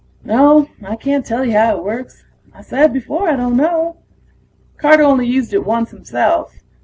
No, I can't tell you how it works I said before I don't know. Carter only used it once himself.